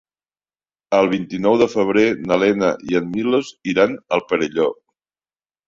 El vint-i-nou de febrer na Lena i en Milos iran al Perelló.